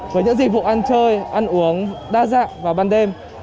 với những dịch vụ ăn chơi ăn uống đa dạng vào ban đêm